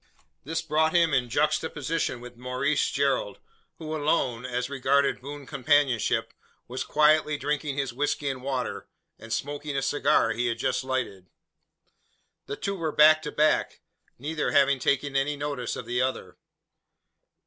This brought him in juxtaposition with Maurice Gerald, who alone as regarded boon companionship was quietly drinking his whisky and water, and smoking a cigar he had just lighted. The two were back to back neither having taken any notice of the other.